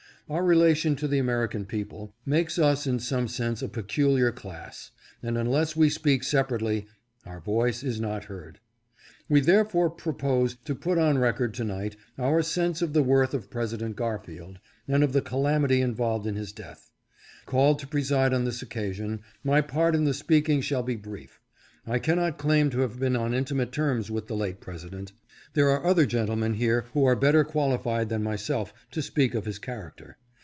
Our re lation to the American people makes us in some sense a peculiar class, and unless we speak separately, our voice is not heard. We therefore propose to put on record to night our sense of the worth of President Garfield, and of the calamity involved in his death. Called to preside on this occasion, my part in the speaking shall be brief. I cannot claim to have been on intimate terms with the late President. There are other gentlemen here who are bet ter qualified than myself to speak of his character.